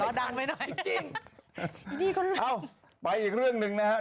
เอ้าไปอีกเรื่องนึงนะครับ